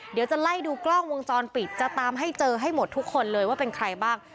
เดี๋ยวจะไล่ดูกล้องวงจรปิดจะตามให้เจอให้หมดทุกคนเลยว่าเป็นใครบ้าง